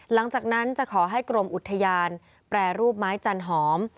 หลังจากนั้นจะขอให้กรมอุทยานแปรรูปไม้จันหอม